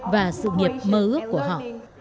và sự nghiệp mơ ước của họ